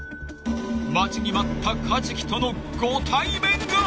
［待ちに待ったカジキとのご対面が］